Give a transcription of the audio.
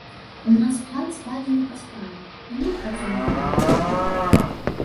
У нас план складзены па справе, і мы працуем па плане.